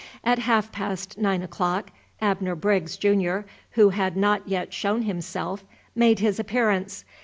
At half past nine o'clock, Abner Briggs, Junior, who had not yet shown himself, made his appearance.